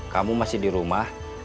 kamu masih di rumah